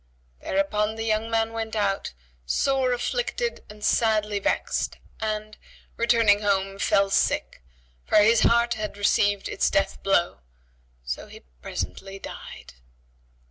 Thereupon the young man went out, sore afflicted and sadly vexed and, returning home, fell sick, for his heart had received its death blow; so he presently died.